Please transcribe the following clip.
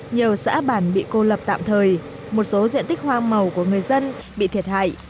nhiều xã bản bị cô lập tạm thời một số diện tích hoa màu của người dân bị thiệt hại